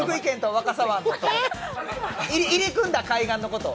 入り組んだ海岸のことを。